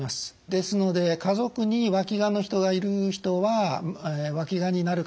ですので家族にわきがの人がいる人はわきがになる可能性が高いんですね。